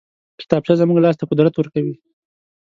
کتابچه زموږ لاس ته قدرت ورکوي